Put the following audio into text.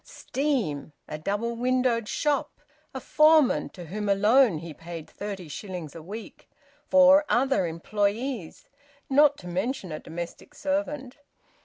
Steam! A double windowed shop! A foreman to whom alone he paid thirty shillings a week! Four other employees! (Not to mention a domestic servant.)